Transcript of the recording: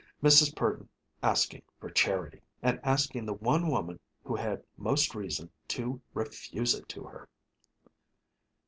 Mrs. Purdon asking for charity! And asking the one woman who had most reason to refuse it to her.